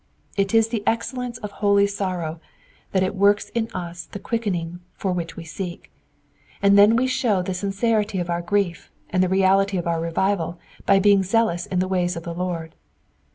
It is the excellence of holy sorrow that it works in us the quickening for which we seek, and then we show the sincerity of our grief and the reality of our revival by being zealous in the ways of the Lord.